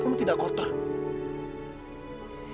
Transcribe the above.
kamu tidak kotor